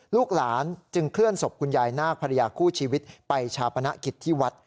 ลูกหลานจึงเคลื่อนศพคุณยายนาคภรรยาคู่ชีวิตไปชาปนกิจที่วัด